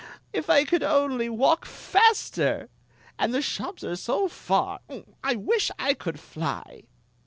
If I could only walk faster ! And the shops are so far I I wish I could fly!"